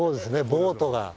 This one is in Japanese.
ボートが。